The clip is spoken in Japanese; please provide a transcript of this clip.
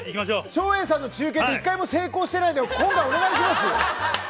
照英さんの中継って一回も成功してないんで、今回、お願いしますよ。